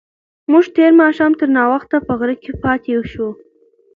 موږ تېر ماښام تر ناوخته په غره کې پاتې شوو.